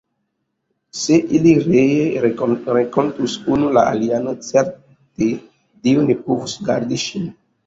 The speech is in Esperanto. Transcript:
Se ili ree renkontus unu la alian, certe Dio ne povus gardi ŝin!